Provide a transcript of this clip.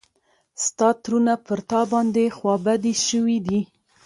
ستا ترونه پر تا باندې خوا بدي شوي دي.